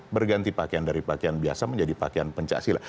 berganti pakaian dari pakaian biasa menjadi pakaian pencaksilat